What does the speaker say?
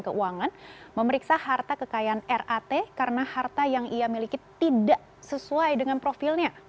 keuangan memeriksa harta kekayaan rat karena harta yang ia miliki tidak sesuai dengan profilnya